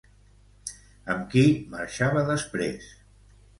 Amb qui marxava després?